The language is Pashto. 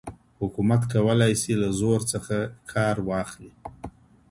حکومت کولای سي له زور څخه کار واخلي.